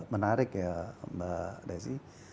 menarik ya mbak desy